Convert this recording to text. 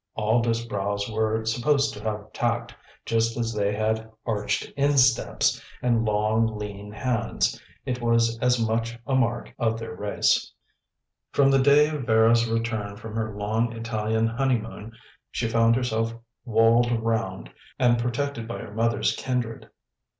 All Disbrowes were supposed to have tact, just as they had arched insteps, and long, lean hands. It was as much a mark of their race. From the day of Vera's return from her long Italian honeymoon she found herself walled round and protected by her mother's kindred.